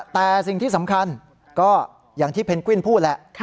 แต่สิ่งที่สำคัญก็อย่างที่เพนกวินพูดแหละ